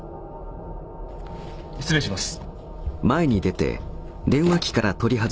失礼します。